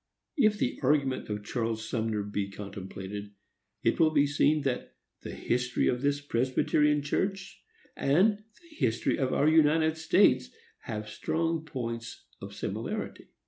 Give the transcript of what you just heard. If the argument of Charles Sumner be contemplated, it will be seen that the history of this Presbyterian Church and the history of our United States have strong points of similarity.